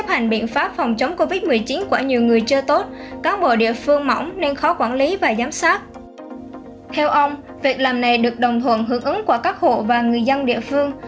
theo ông việc làm này được đồng thuận hưởng ứng của các hộ và người dân địa phương